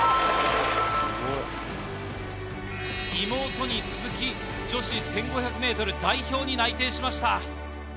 妹に続き、女子１５００ｍ代表に内定しました。